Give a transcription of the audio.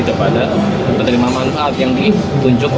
kepada penerima manfaat yang ditunjuk